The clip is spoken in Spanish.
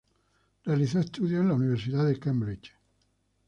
Realizó estudios en la Universidad de Cambridge.